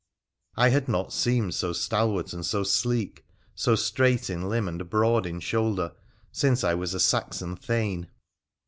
I had not seemed so stalwart and so sleek, so straight in limb and broad in shoulder, since I was a Saxon thane.